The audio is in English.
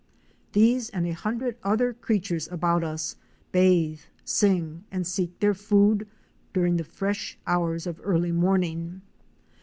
These and a hundred other creatures about us bathe, sing, and seek their food during the fresh hours of early morning.